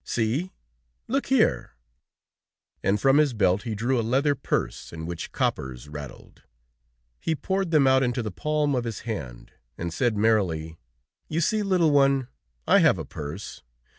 See, look here!" And from his belt he drew a leather purse in which coppers rattled. He poured them out into the palm of his hand, and said merrily: "You see, little one, I have a purse.